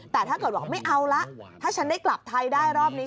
แต่ถ้าเกิดบอกไม่เอาละถ้าฉันได้กลับไทยได้รอบนี้